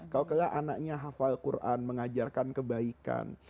kalau anaknya menghafal al quran mengajarkan kebaikan